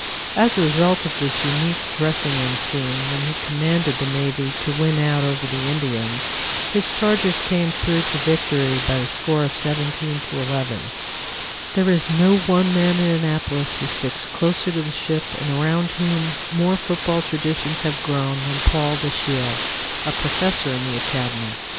As a result of this unique dressing room scene when he commanded the Navy to win out over the Indians, his charges came through to victory by the score of 17 11. There is no one man at Annapolis who sticks closer to the ship and around whom more football traditions have grown than Paul Dashiell, a professor in the Academy.